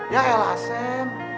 ya elah sam